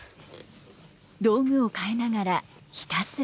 道具を替えながらひたすら磨く。